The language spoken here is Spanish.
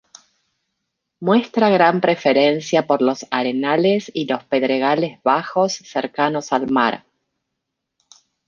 Muestra gran preferencia por los arenales y los pedregales bajos cercanos al mar.